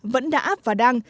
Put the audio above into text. vẫn đã áp và đăng